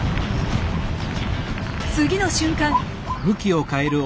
次の瞬間。